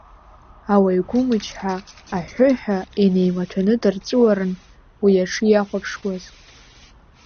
Ауаҩ гәымычҳа, аҳәҳәыҳәа инеимаҭәаны дарҵәуарын, уи аҽы иахәаԥшуаз.